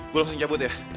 gue langsung cabut ya